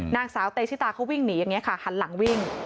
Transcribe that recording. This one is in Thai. นางสาวเตชิตาเขาวิ่งหนีอย่างนี้ค่ะหันหลังวิ่ง